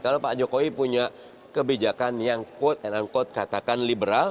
kalau pak jokowi punya kebijakan yang quote and unquote katakan liberal